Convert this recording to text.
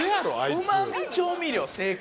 うま味調味料正解？